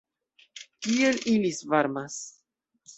Kiel ili svarmas!